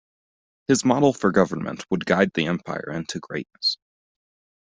His model for government would guide the empire into greatness.